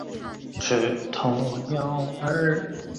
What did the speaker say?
而当时荒木村重有所向无敌的毛利村上水军作海援。